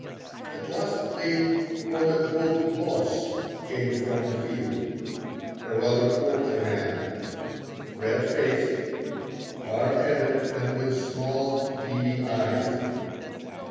At last the "Boss" came from the field; a rather portly man, red faced, hard headed and with small, beady eyes.